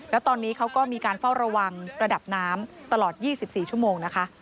แล้วตอนนี้เขาก็มีการเฝ้าระวังระดับน้ำตลอด๒๔ชั่วโมงนะคะ